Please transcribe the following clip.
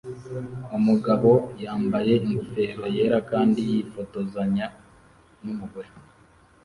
Umugabo yambaye ingofero yera kandi yifotozanya numugore